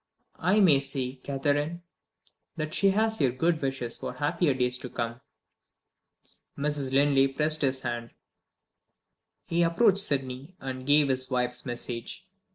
"I may say, Catherine, that she has your good wishes for happier days to come?" Mrs. Linley pressed his hand. He approached Sydney, and gave his wife's message.